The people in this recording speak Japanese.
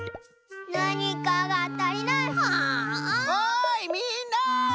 おいみんな！